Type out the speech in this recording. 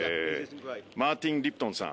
マーティン・リプトンさん。